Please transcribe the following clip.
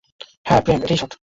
হ্যাঁঁ, প্রেম, এটিই শট।